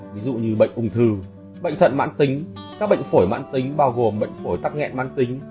ví dụ như bệnh ung thư bệnh thận mãn tính các bệnh phổi mãn tính bao gồm bệnh phổi tắc nghẹn mãn tính